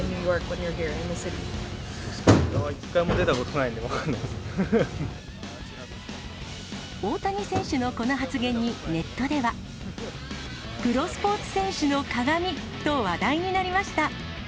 一回も出たことないので分か大谷選手のこの発言にネットプロスポーツ選手のかがみと話題になりました。